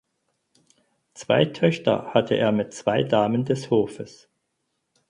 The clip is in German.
Zwei Töchter hatte er mit zwei Damen des Hofes.